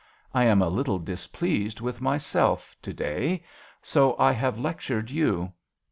I am a little displeased with myself to day; so I have lectured you.